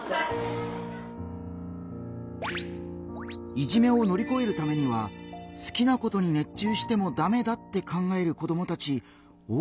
いじめを乗り越えるためには好きなことに熱中してもダメだって考える子どもたち多かったね。